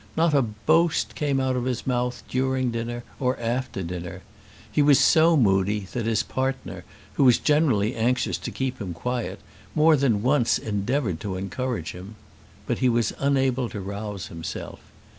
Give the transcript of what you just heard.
Not a boast came out of his mouth during dinner or after dinner. He was so moody that his partner, who was generally anxious to keep him quiet, more than once endeavoured to encourage him. But he was unable to rouse himself.